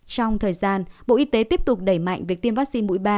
trong thời gian bộ y tế tiếp tục đẩy mạnh việc tiêm vaccine mũi ba